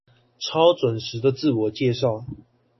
超準時的自我介紹